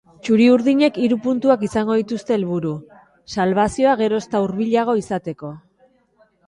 Txuri-urdinek hiru puntuak izango dituzte helburu, salbazioa geroz eta hurbilago izateko.